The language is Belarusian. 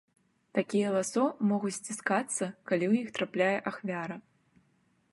Такія ласо могуць сціскацца, калі ў іх трапляе ахвяра.